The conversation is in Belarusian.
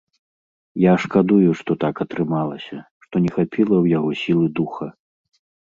Я шкадую, што так атрымалася, што не хапіла ў яго сілы духа.